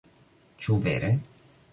Ĉu vere?...